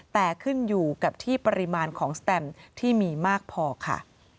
แต่ขึ้นอยู่กับที่ปริมาณของสแตมที่มีมากพอค่ะ